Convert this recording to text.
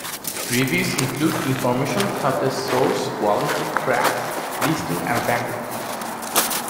Reviews include information such as source, quality, track listing and packaging.